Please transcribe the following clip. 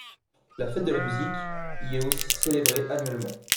La fête de la musique y est aussi célébrée annuellement.